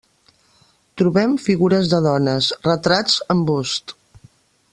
Trobem figures de dones, retrats en bust.